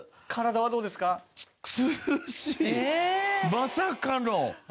まさかの。